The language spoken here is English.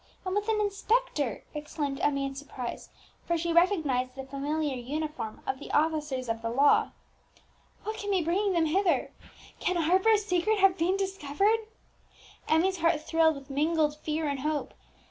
and with an inspector!" exclaimed Emmie in surprise, for she recognized the familiar uniform of the officers of the law. "What can be bringing them hither? Can Harper's secret have been discovered?" Emmie's heart thrilled with mingled fear and hope.